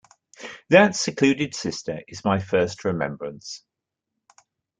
That secluded sister is my first remembrance.